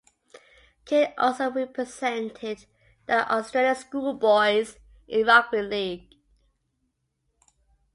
Caine also represented the Australian Schoolboys in rugby league.